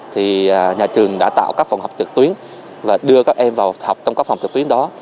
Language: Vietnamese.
thì nhà trường đã tạo các phòng học trực tuyến và đưa các em vào học trong các phòng trực tuyến đó